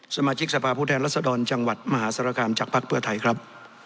สมาชิกสภาพผู้แทนรัศดรจังหวัดมหาศาลคามจากภักดิ์เพื่อไทยครับ